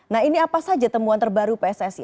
nah ini apa saja temuan terbaru pssi